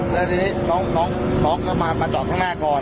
แล้วทีนี้น้องน้องน้องก็มามาจอดข้างหน้าก่อน